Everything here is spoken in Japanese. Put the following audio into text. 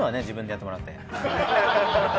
自分でやってもらって。